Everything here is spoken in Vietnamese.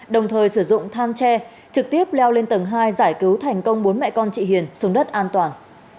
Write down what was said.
đồng thời sử dụng than tre trực tiếp leo lên tầng hai giải cứu thành công bốn mẹ con chị hiền xuống đất an toàn